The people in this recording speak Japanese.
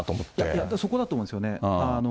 いや、そこだと思うんですよね。